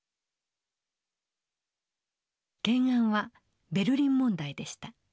懸案はベルリン問題でした。